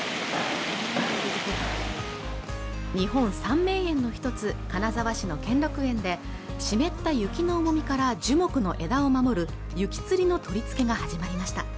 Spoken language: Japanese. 日本３名園の一つ金沢市の兼六園で湿った雪の重みから樹木の枝を守る雪つりの取り付けが始まりました